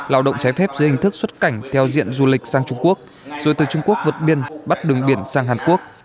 lao động trái phép dưới hình thức xuất cảnh theo diện du lịch sang trung quốc rồi từ trung quốc vượt biên bắt đường biển sang hàn quốc